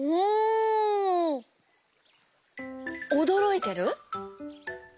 おどろいてる？